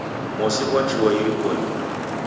Mosi ghwachua irikonyi